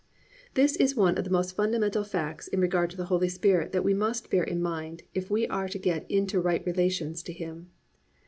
This is one of the most fundamental facts in regard to the Holy Spirit that we must bear in mind if we are to get into right relations to Him.